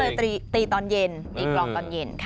ก็เลยตีตอนเย็นมีกรองตอนเย็น